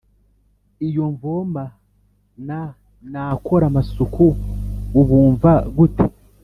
Iyo mvoma na nakora amasuku ubumva gute?